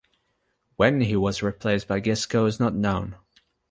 When he was replaced by Gisco is not known.